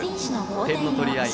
点の取り合い。